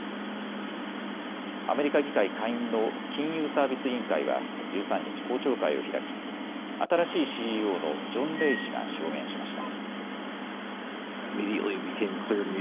アメリカ議会下院の金融サービス委員会は１３日、公聴会を開き、新しいＣＥＯのジョン・レイ氏が証言しました。